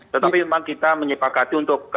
tetapi memang kita menyepakati untuk